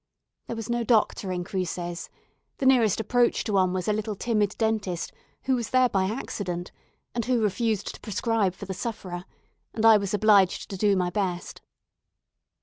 There was no doctor in Cruces; the nearest approach to one was a little timid dentist, who was there by accident, and who refused to prescribe for the sufferer, and I was obliged to do my best.